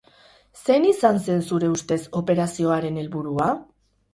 Zein izan zen zure ustez operazio haren helburua?